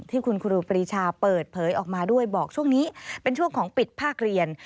ที่คุณครูปรีชาเปิดเผยออกมาด้วยบอกช่วงนี้เป็นช่วงของปิดภาคเรียน